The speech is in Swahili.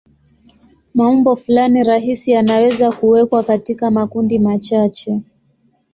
Maumbo fulani rahisi yanaweza kuwekwa katika makundi machache.